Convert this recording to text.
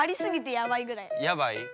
やばい？